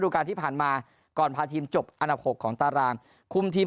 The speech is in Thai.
การที่ผ่านมาก่อนพาทีมจบอันดับ๖ของตารางคุมทีม